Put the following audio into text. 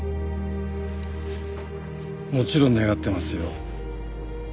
もちろん願ってますよ。